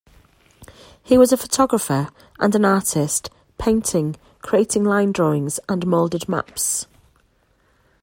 He was a photographer and an artist, painting, creating line drawings and molded maps.